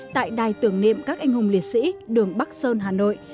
tại đài tưởng niệm các anh hùng liệt sĩ đường bắc sơn hà nội